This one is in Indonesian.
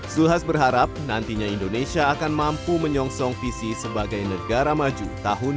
zulhas berharap nantinya indonesia akan mampu menyongsong visi sebagai negara maju tahun dua ribu empat puluh lima